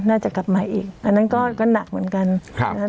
น่าจะกลับมาอีกอันนั้นก็หนักเหมือนกันครับ